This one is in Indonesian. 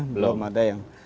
belum ada yang